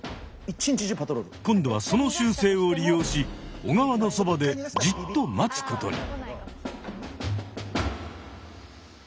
今度はその習性を利用し小川のそばでじっと待つことに。